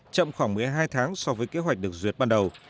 chậm khoảng một mươi hai tháng so với kế hoạch được duyệt ban đầu